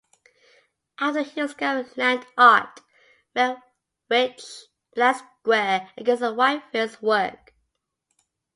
After he discovered Land Art, Malevich's Black Square Against a White Field's work.